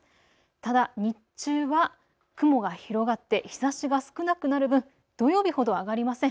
ただ日中は雲が広がって日ざしが少なくなる分、土曜日ほど上がりません。